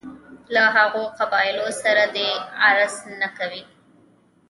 له هغو قبایلو سره دې غرض نه کوي.